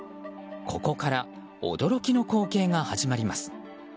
ここから驚きの光景が始まります。